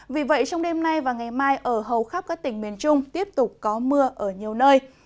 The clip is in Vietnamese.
vì vậy trong đêm nay và ngày mai ở hầu khắp các tỉnh miền trung tiếp tục có mưa ở nhiều nơi